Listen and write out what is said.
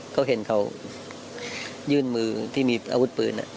เขาเห็นเขายื่นมือที่มีอาวุธปืน